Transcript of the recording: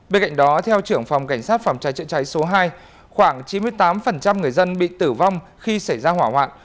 bên cạnh đó theo trưởng phòng cảnh sát phòng cháy chữa cháy số hai khoảng chín mươi tám người dân bị tử vong khi xảy ra hỏa hoạn